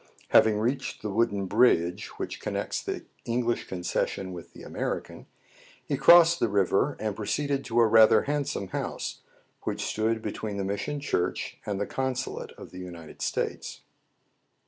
Having reached the wooden bridge which connects the English concession with the American, he crossed the river, and proceeded to a rather handsome house, which stood between the mission church and the consulate of the United States.